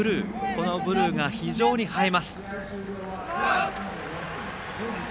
このブルーが非常に映えます。